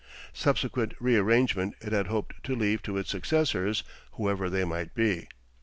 Subsequent rearrangement it had hoped to leave to its successors—whoever they might be.